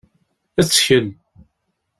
Ttkel.